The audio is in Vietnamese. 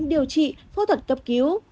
điều trị phô thuật cấp cứu